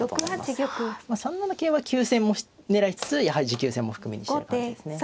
まあ３七桂は急戦も狙いつつやはり持久戦も含みにしてる感じですね。